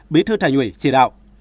bí thư thành ủy chỉ đạo